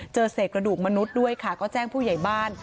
เจอเศษกระดูกมนุษย์ด้วยค่ะก็แจ้งผู้ใหญ่บ้าน